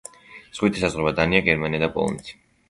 ზღვით ესაზღვრება დანია, გერმანია და პოლონეთი.